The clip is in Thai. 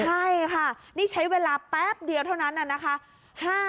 ใช่ค่ะนี่ใช้เวลาแป๊บเดียวเท่านั้นน่ะนะคะ